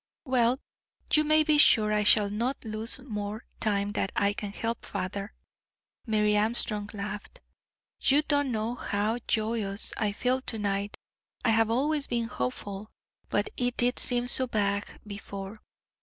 "Well, you may be sure I shall not lose more time than I can help, father." Mary Armstrong laughed. "You don't know how joyous I feel to night, I have always been hopeful, but it did seem so vague before.